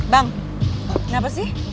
bang kenapa sih